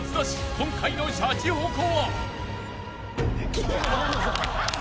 今回のシャチホコは］